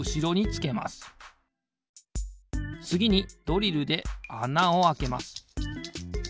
つぎにドリルであなをあけます。